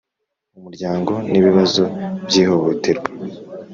Umuryango n ibibazo by ihohoterwa